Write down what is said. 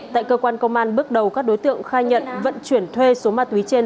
tại cơ quan công an bước đầu các đối tượng khai nhận vận chuyển thuê số ma túy trên